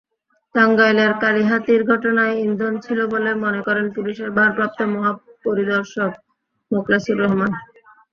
টাঙ্গাইলের কালিহাতীর ঘটনায় ইন্ধন ছিল বলে মনে করেন পুলিশের ভারপ্রাপ্ত মহাপরিদর্শক মোখলেসুর রহমান।